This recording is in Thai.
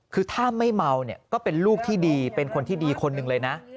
คือถ้าไม่เมาเนี่ยก็เป็นลูกที่ดีเป็นคนที่ดีคนหนึ่งเลยนะ